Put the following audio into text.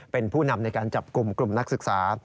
เป็นผู้นำในการจับกลุ่มกลุ่มนักศึกษา